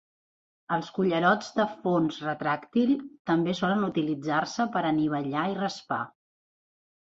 Els cullerots de fons retràctil també solen utilitzar-se per anivellar i raspar.